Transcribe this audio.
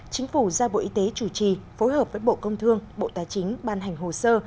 chính phủ ra bộ y tế chủ trì phối hợp với bộ công thương bộ tài chính ban hành hồ sơ